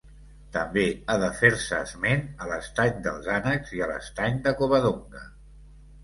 També ha de fer-se esment a l'Estany dels Ànecs i a l'Estany de Covadonga.